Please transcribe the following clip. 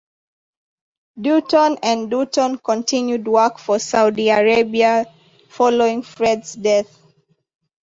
Dutton and Dutton continued work for Saudi Arabia following Fred's death.